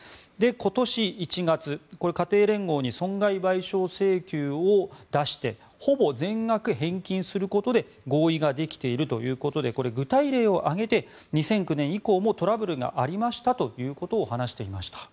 今年１月、家庭連合に損害賠償請求を出してほぼ全額返金することで合意ができているということでこれ、具体例を挙げて２００９年以降もトラブルがありましたということを話していました。